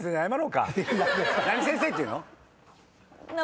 何先生っていうの？